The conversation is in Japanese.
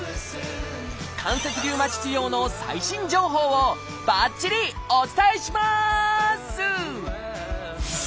関節リウマチ治療の最新情報をばっちりお伝えします！